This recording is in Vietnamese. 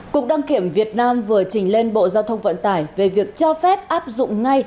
cục đăng kiểm việt nam vừa trình lên bộ giao thông vận tải về việc cho phép áp dụng ngay